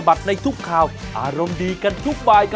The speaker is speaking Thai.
อ้าวไม่